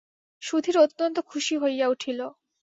সুধীর অত্যন্ত খুশি হইয়া উঠিল।